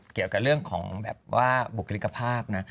เกี่ยวกับเรื่องของบุคลิกภาพ